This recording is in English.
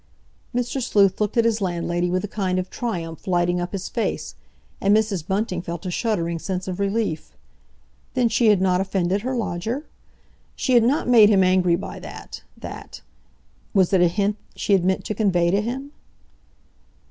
Mr. Sleuth looked at his landlady with a kind of triumph lighting up his face, and Mrs. Bunting felt a shuddering sense of relief. Then she had not offended her lodger? She had not made him angry by that, that—was it a hint she had meant to convey to him?